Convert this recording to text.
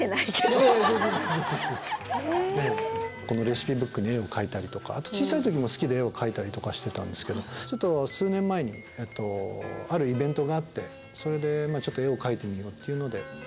このレシピブックに絵を描いたりとかあと小さい時も好きで絵を描いたりとかしてたんですけどちょっと数年前にあるイベントがあってそれでちょっと絵を描いてみようっていうので。